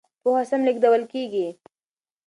پوهه سم لېږدول کېږي.